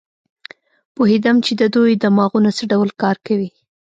پوهېدم چې د دوی دماغونه څه ډول کار کوي.